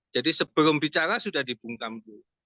jadi sebelum bicara sudah dibungkam dulu